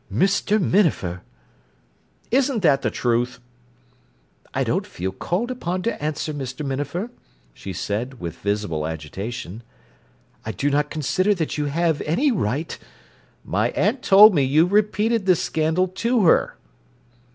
"Mr. Minafer!" "Isn't that the truth?" "I don't feel called upon to answer, Mr. Minafer," she said with visible agitation. "I do not consider that you have any right—" "My aunt told me you repeated this scandal to her."